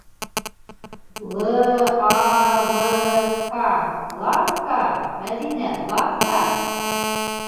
- Л-а-в-ка -...«Лавка», Мәҙинә, лавка!